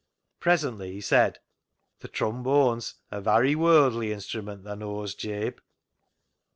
Presently he said, " Th' trombone's a varry worldly instrument, tha knaws, Jabe."